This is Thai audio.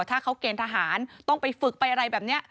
ถ้าเขาเกณฑ์ทหารต้องไปฝึกไปอะไรแบบนี้